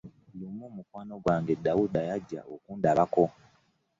Lumu mukwano gwange Dawuda yajja okundabako.